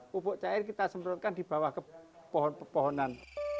pupuk cair kita semprotkan di bawah ke pohon pepohonan